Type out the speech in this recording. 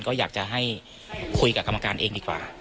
ก็อยากจะให้คุยกับกรรมการเองดีกว่า